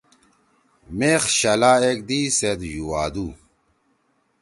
میخ شلا ایک دئی سیت یُوادُو۔